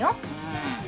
うん。